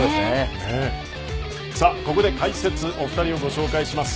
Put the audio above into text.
ここで解説お二人をご紹介します。